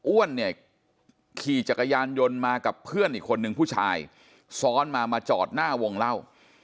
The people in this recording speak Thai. อ้วนเนี่ยขี่จักรยานยนต์มากับเพื่อนอีกคนนึงผู้ชายซ้อนมามาจอดหน้าวงเล่า